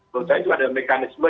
perusahaan itu ada mekanisme